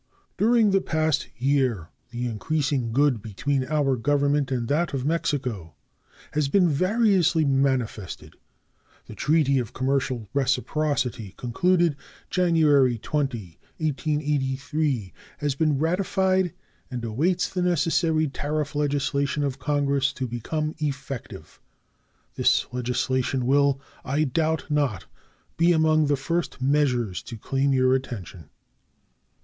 During the past year the increasing good will between our own Government and that of Mexico has been variously manifested. The treaty of commercial reciprocity concluded January 20, 1883, has been ratified and awaits the necessary tariff legislation of Congress to become effective. This legislation will, I doubt not, be among the first measures to claim your attention.